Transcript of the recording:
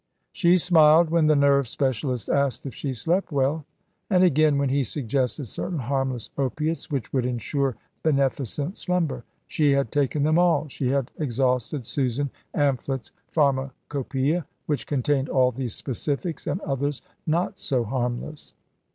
She smiled when the nerve specialist asked her if she slept well, and again when he suggested certain harmless opiates which would ensure beneficent slumber. She had taken them all. She had exhausted Susan Amphlett's pharmacopoeia, which contained all these specifics, and others not so harmless.